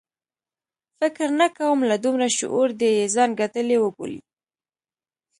فکر نه کوم له دومره شعور دې یې ځان ګټلی وبولي.